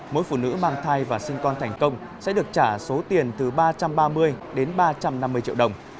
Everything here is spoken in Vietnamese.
mỗi phụ nữ mang thai và sinh con thành công sẽ được trả số tiền từ ba trăm ba mươi đến ba trăm năm mươi triệu đồng